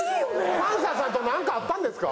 パンサーさんとなんかあったんですか？